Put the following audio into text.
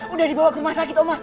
udah dibawa ke rumah sakit oma